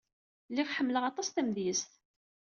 Lliɣ ḥemmleɣ aṭas tamedyazt.